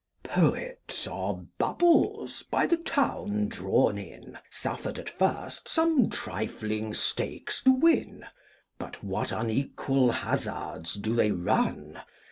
Poets are bubbles, by the town drawn in, Suffered at first some trifling stakes to win: But what unequal hazards do they run!